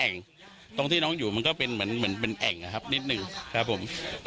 น้องติดอยู่ตรงนั้น